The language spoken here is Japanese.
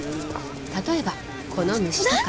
例えばこの虫とか